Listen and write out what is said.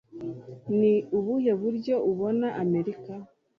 Ni ubuhe buryo ubona Amerika?